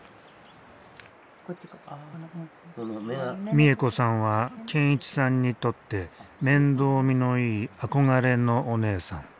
美恵子さんは健一さんにとって面倒見のいい憧れのおねえさん。